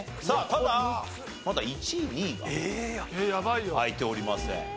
ただまだ１位２位が開いておりません。